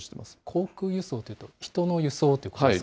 航空輸送というと、人の輸送ということですか？